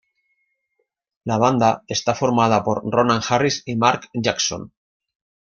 La banda está formada por Ronan Harris y Mark Jackson.